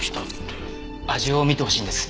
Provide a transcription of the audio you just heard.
味を見てほしいんです。